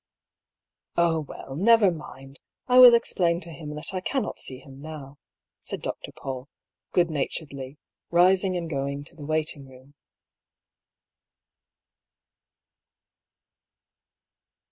" Oh, well, never mind ! I will explain to him that I cannot see him now," said Dr. Paull, good naturedly, rising and going to the waiting room.